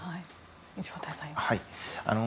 石渡さん。